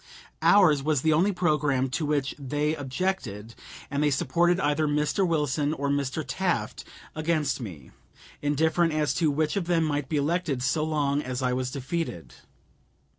Ours was the only programme to which they objected, and they supported either Mr. Wilson or Mr. Taft against me, indifferent as to which of them might be elected so long as I was defeated.